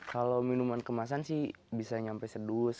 kalau minuman kemasan sih bisa nyampe sedus